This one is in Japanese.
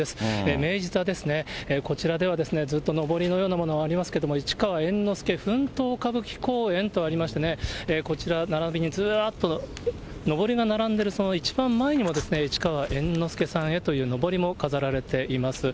明治座ですね、こちらでは、ずっとのぼりのようなものがありますけど、市川猿之助奮闘歌舞伎公演とありましてね、こちら、並びにずらっとのぼりが並んでる、その一番前にも、市川猿之助さんへというのぼりも飾られています。